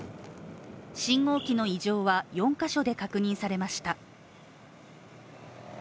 信号機の異常は４カ所で確認されました。